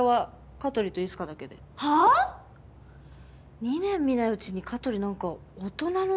２年見ないうちに香取なんか大人の男になってるし。